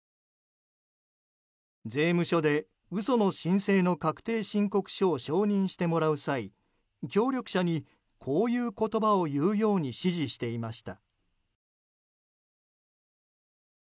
税務署で嘘の申請の確定申告書を承認してもらう際協力者に、こういう言葉を言うように指示していました。